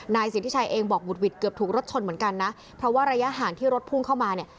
นายสิทธิชัยเองบอกบุดหวิดเกือบถูกรถชนเหมือนกันนะเพราะว่าระยะห่างที่รถพุ่งเข้ามาเนี่ย